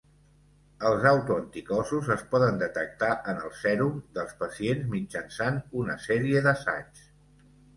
Els autoanticossos es poden detectar en el sèrum dels pacients mitjançant una sèrie d'assaigs.